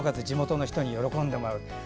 地元の人に喜んでもらう。